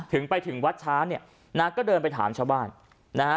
ไปถึงวัดช้าเนี่ยนะก็เดินไปถามชาวบ้านนะฮะ